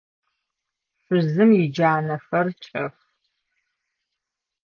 Шъузым иджанэхэр кӏэх.